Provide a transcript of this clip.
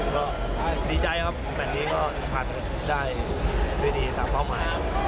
ก็ดีใจครับแมทนี้ก็ผ่านได้ด้วยดีตามเป้าหมายครับ